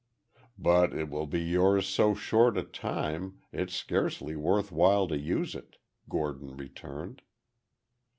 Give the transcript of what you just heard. "But it will be yours so short a time, it's scarcely worth while to use it," Gordon returned.